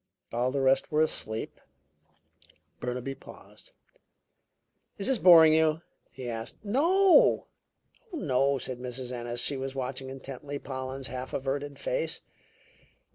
All the rest were asleep." Burnaby paused. "Is this boring you?" he asked. "Oh, no!" said Mrs. Ennis; she was watching intently Pollen's half averted face.